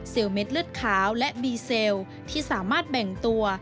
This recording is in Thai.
เม็ดเลือดขาวและดีเซลที่สามารถแบ่งตัว